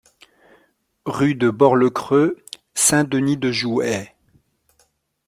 Rue de Bord-le-Creux, Saint-Denis-de-Jouhet